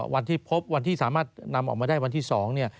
วันที่พบวันที่สามารถนำออกมาได้วันที่๒เนี่ย